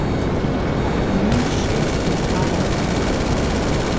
Адунеи ршеижьҭеи ԥҟарас иҟоуп.